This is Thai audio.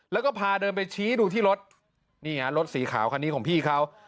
แล้วก็พาเดินไปชี้ดูที่รถนี่ฮะรถสีขาวคันนี้ของพี่เขา